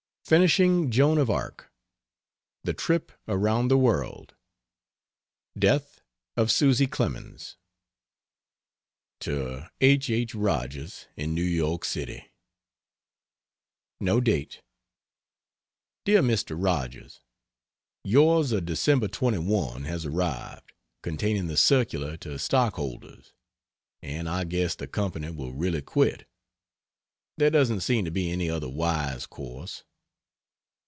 FINISHING "JOAN OF ARC." THE TRIP AROUND THE WORLD. DEATH OF SUSY CLEMENS. To H. H. Rogers, in New York City: [No date.] DEAR MR. ROGERS, Yours of Dec. 21 has arrived, containing the circular to stockholders and I guess the Co. will really quit there doesn't seem to be any other wise course.